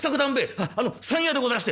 「あっあの山谷でございまして」。